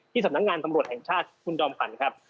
ที่สำนักงานสำรวจแห่งชาติคุณจอห์มฝันครับ